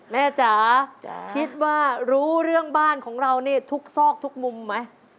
จ๋าคิดว่ารู้เรื่องบ้านของเรานี่ทุกซอกทุกมุมไหม